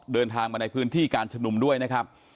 เดินทางมาในพื้นที่การชุมนุมด้วยนะครับ